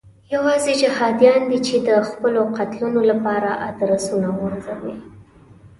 یوازې جهادیان دي چې د خپلو قتلونو لپاره ادرسونه غورځوي.